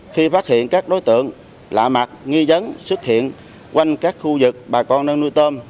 khi phát hiện các đối tượng lạ mặt nghi dấn xuất hiện quanh các khu vực bà con đang nuôi tôm